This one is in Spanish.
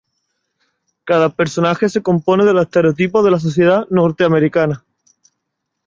Cada personaje se compone de los estereotipos de la sociedad norteamericana.